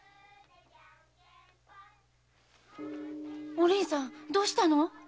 お凛さんどうしたの？